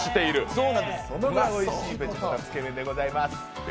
そのぐらいおいしいベジタブルつけ麺でございます。